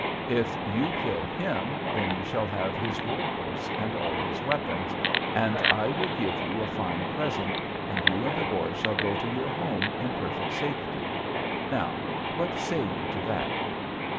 If you kill him, then you shall have his war horse and all his weapons, and I will give you a fine present, and you and the boy shall go to your home in perfect safety. Now, what say you to that?'